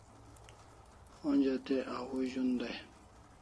Onja te au zun dai